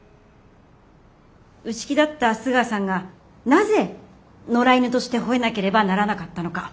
内気だった須川さんがなぜ「野良犬」としてほえなければならなかったのか。